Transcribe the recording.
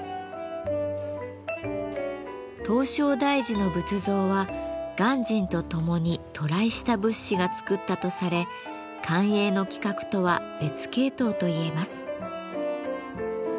唐招提寺の仏像は鑑真とともに渡来した仏師が作ったとされ官営の規格とは別系統といえます。